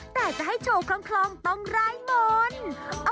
แต่จะให้โชว์คล่องต้องร่ายมนต์